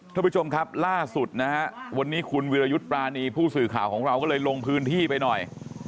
ท่านผู้ชมครับล่าสุดนะฮะวันนี้คุณวิรยุทธ์ปรานีผู้สื่อข่าวของเราก็เลยลงพื้นที่ไปหน่อย